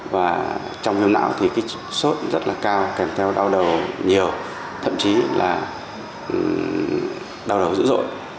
và trong viêm não thì cái sốt rất là cao kèm theo đau đầu nhiều thậm chí là đau đầu dữ dội